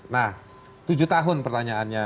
nah tujuh tahun pertanyaannya